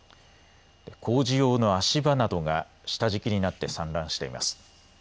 工事用の足場などが下敷きになって散乱しています。